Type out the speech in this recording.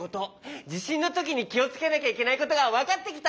じしんのときにきをつけなきゃいけないことがわかってきた！